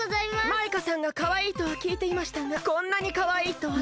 マイカさんがかわいいとはきいていましたがこんなにかわいいとは。